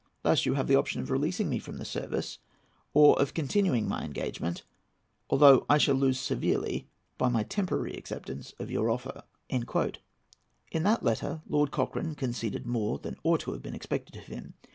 Thus you have the option of releasing me from the service, or of continuing my engagement, although I shall lose severely by my temporary acceptance of your offer." In that letter Lord Cochrane conceded more than ought to have been expected of him.